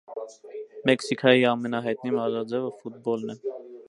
Մեքսիքայի ամենայայտնի մարզաաձեւը ֆուտպոլն է։